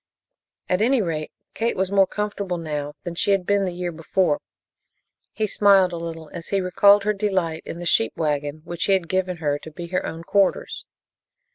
At any rate, Kate was more comfortable now than she had been the year before. He smiled a little as he recalled her delight in the sheep wagon which he had given her to be her own quarters.